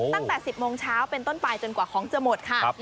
ตั้งแต่๑๐โมงเช้าเป็นต้นไปจนกว่าของจะหมดค่ะ